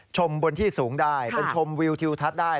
ชมบนที่สูงได้ชมวิวทิวทัศน์ได้